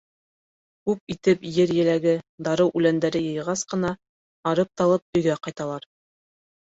Күп итеп ер еләге, дарыу үләндәре йыйғас ҡына, арып-талып өйгә ҡайталар.